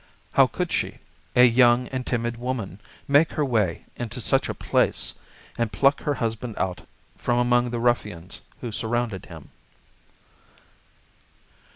How could she, a young and timid woman, make her way into such a place and pluck her husband out from among the ruffians who surrounded him?